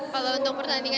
kalau untuk pertandingan